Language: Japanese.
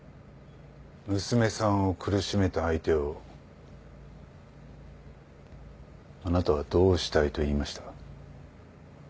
娘さんを苦しめた相手をあなたはどうしたいと言いました？